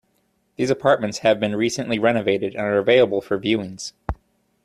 These apartments have been recently renovated and are available for viewings.